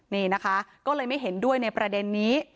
นี่นะคะก็เลยไม่เห็นด้วยในประเด็นนี้